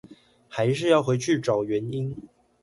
還是要回去找原因